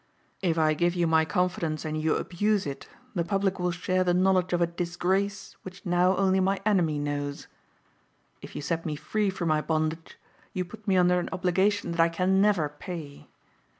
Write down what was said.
If I give you my confidence and you abuse it the public will share the knowledge of a disgrace which now only my enemy knows. If you set me free from my bondage you put me under an obligation that I can never pay.